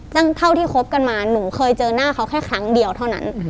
เท่าที่คบกันมาหนูเคยเจอหน้าเขาแค่ครั้งเดียวเท่านั้น